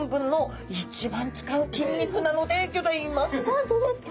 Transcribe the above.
本当ですか！